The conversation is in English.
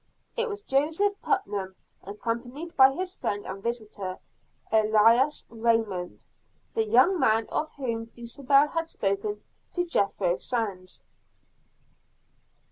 It was Joseph Putnam, accompanied by his friend and visitor, Ellis Raymond, the young man of whom Dulcibel had spoken to Jethro Sands.